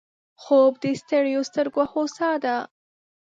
خوب د ستړیو سترګو هوسا ده